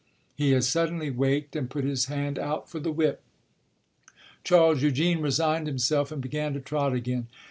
He had suddenly waked and put his hand out for the whip. Charles Eugene resigned himself and began to trot again.